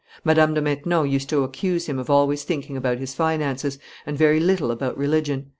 Madame de Maintenon used to accuse him of always thinking about his finances, and very little about religion.